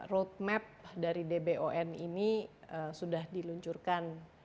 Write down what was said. road map dari dbon ini sudah diluncurkan